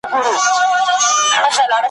نه له سیال نه له تربوره برابر دی `